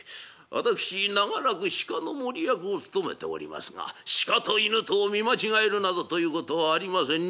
私長らく鹿の守り役を務めておりますが鹿と犬とを見間違えるなどということはありません。